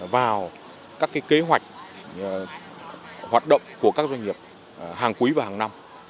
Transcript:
vào các kế hoạch hoạt động của các doanh nghiệp hàng quý và hàng năm